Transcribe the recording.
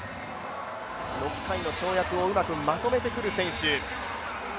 ６回の跳躍をうまくまとめてくる選手。